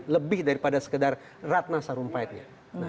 lebih daripada sekedar ratna sarumpaitnya